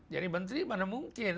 jadi menteri mana mungkin